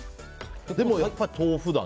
でもやっぱ豆腐だね。